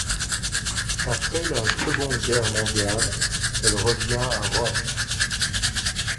Après la Seconde Guerre mondiale, elle revient à Rome.